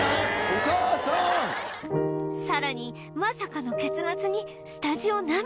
さらにまさかの結末にスタジオ涙